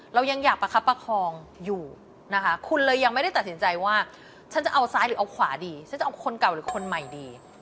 เรายังอยากประคับประคองอยู่นะคะคุณเลยยังไม่ได้ตัดสินใจว่าฉันจะเอาซ้ายหรือเอาขวาดีฉันจะเอาคนเก่าหรือคนใหม่ดี